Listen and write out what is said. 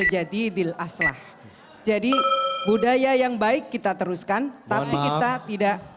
jadi budaya yang baik kita teruskan tapi kita tidak